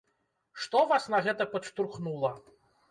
Што вас на гэта падштурхнула?